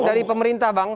dari pemerintah bang